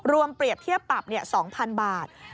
เปรียบเทียบปรับ๒๐๐๐บาท